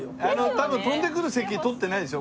多分飛んでくる席取ってないでしょ？